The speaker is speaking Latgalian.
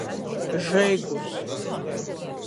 Žeigurs.